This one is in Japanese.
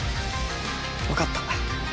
分かった。